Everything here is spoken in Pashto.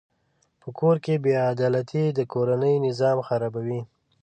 په کور کې بېعدالتي د کورنۍ نظام خرابوي.